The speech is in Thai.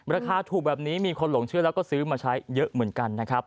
ราคาถูกแบบนี้มีคนหลงเชื่อแล้วก็ซื้อมาใช้เยอะเหมือนกันนะครับ